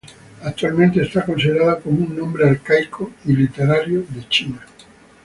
Actualmente es considerado como un nombre arcaico y literario de China.